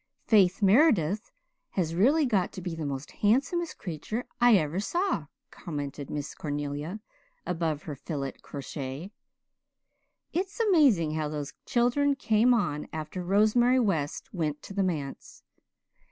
'" "Faith Meredith has really got to be the most handsomest creature I ever saw," commented Miss Cornelia above her filet crochet. "It's amazing how those children came on after Rosemary West went to the manse.